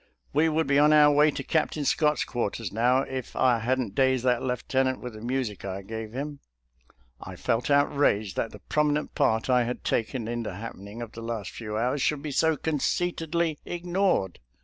We would be on our way to Captain Scott's quarters now if I hadn't dazed that lieu tenant with the music I gave him." I felt outraged that the prominent part I had THE POWER OF THE FIDDLE AND THE BOW 191 taken in the happening of the last few hours should be so conceitedly ignored.